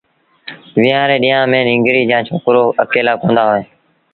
ويهآݩ ري ڏيݩهآݩ ميݩ ننگريٚ جآݩ ڇوڪرو اڪيلآ ڪوندآ وهيݩ